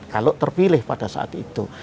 kalau terpilih pada saat itu